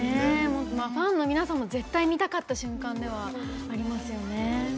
ファンの皆さんも絶対見たかった瞬間ではありますよね。